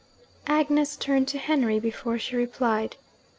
Agnes turned to Henry, before she replied.